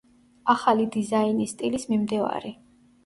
ახალი დიზაინის სტილის მიმდევარი.